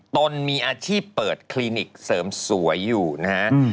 ตนมีอาชีพเปิดคลินิกเสริมสวยอยู่นะฮะ